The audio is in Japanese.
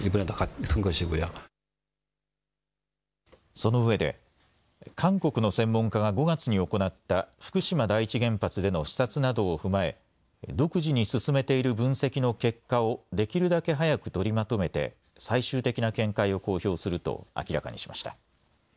そのうえで韓国の専門家が５月に行った福島第一原発での視察などを踏まえ独自に進めている分析の結果をできるだけ早く取りまとめて最終的な見解を公表すると明らかにしました。